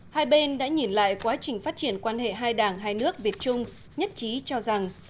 hai bên đã nhìn lại quá trình phát triển quan hệ hai đảng hai nước việt trung nhất trí cho rằng